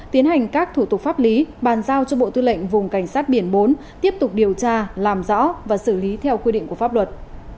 tiến hành các thủ tục pháp lý bàn giao cho bộ tư lệnh vùng cảnh sát biển bốn tiếp tục điều tra làm rõ và xử lý theo quy định của pháp luật